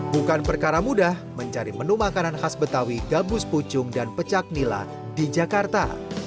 bukan perkara mudah mencari menu makanan khas betawi gabus pucung dan pecak nila di jakarta